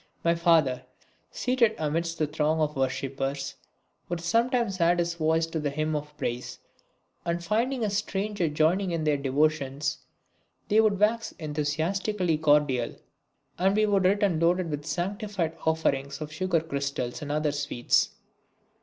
My father, seated amidst the throng of worshippers, would sometimes add his voice to the hymn of praise, and finding a stranger joining in their devotions they would wax enthusiastically cordial, and we would return loaded with the sanctified offerings of sugar crystals and other sweets.